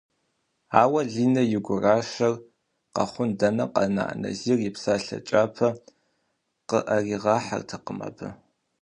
Ауэ Линэ и гуращэр къэхъун дэнэ къэна, Назир и псалъэ кӏапэ къыӏэригъэхьатэкъым абы.